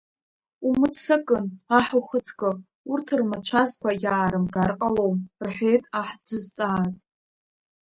Умццакын, аҳ ухаҵкы, урҭ рмацәазқәа иаарымгар ҟалом, — рҳәеит аҳ дзызҵааз.